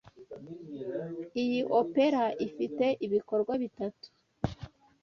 Iyi opera ifite ibikorwa bitatu.